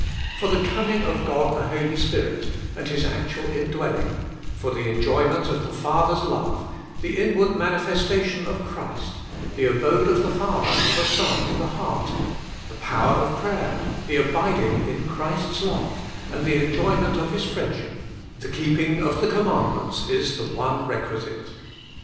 For the coming of God the Holy Spirit, and His actual indwelling, for the en joyment of the Father's love, the inward manifesta tion of Christ, the abode of the Father and the Son in the heart, the power of prayer, the abiding in Christ's love, and the enjoyment of His friend ship, the keeping of the commandments is the one requisite.